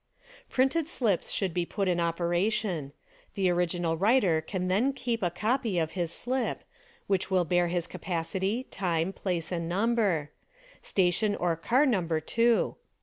Printed^ slips should be put in operation. The original writer can then keep a copy of his sHp, which will bear his capacity, time, place and number; station or car number, too.